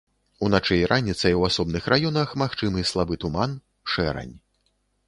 Уначы і раніцай у асобных раёнах магчымы слабы туман, шэрань.